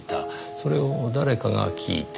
それを誰かが聞いていた。